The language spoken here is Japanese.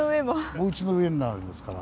おうちの上になるんですから。